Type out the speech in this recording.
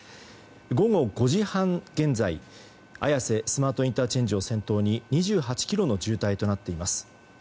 午後５時半現在綾瀬スマートＩＣを先頭に２８ｋｍの渋滞となっています。